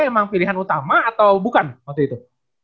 memang pilihan utama atau bukan waktu itu